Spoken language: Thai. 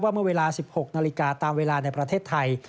เมื่อเวลา๑๖นาฬิกาตามเวลาในประเทศไทย